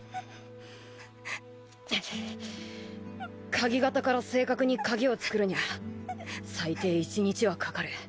鍵型から正確に鍵を作るにゃ最低１日はかかる。